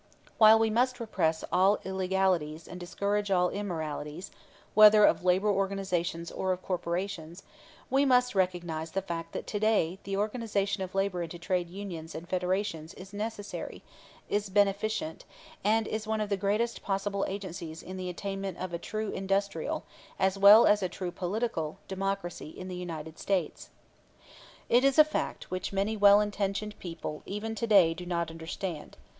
While we must repress all illegalities and discourage all immoralities, whether of labor organizations or of corporations, we must recognize the fact that to day the organization of labor into trade unions and federations is necessary, is beneficent, and is one of the greatest possible agencies in the attainment of a true industrial, as well as a true political, democracy in the United States. This is a fact which many well intentioned people even to day do not understand.